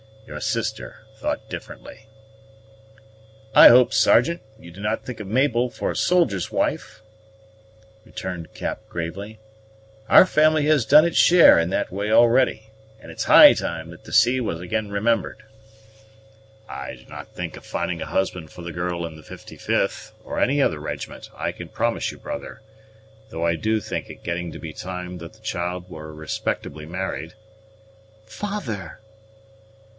Your sister thought differently." "I hope, Sergeant, you do not think of Mabel for a soldier's wife," returned Cap gravely. "Our family has done its share in that way already, and it's high time that the sea was again remembered." "I do not think of finding a husband for the girl in the 55th, or any other regiment, I can promise you, brother; though I do think it getting to be time that the child were respectably married." "Father!"